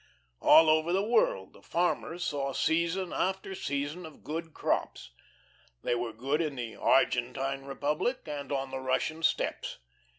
All over the world the farmers saw season after season of good crops. They were good in the Argentine Republic, and on the Russian steppes.